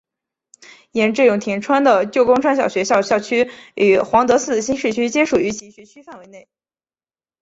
沿着永田川的旧宫川小学校校区与皇德寺新市区皆属于其学区范围内。